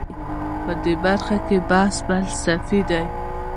په دې برخه کې بحث فلسفي دی.